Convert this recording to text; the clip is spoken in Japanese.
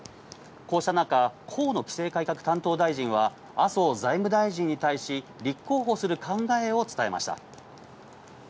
こうした中、河野規制改革担当大臣は、麻生財務大臣に対し、立候補する考えを伝えました。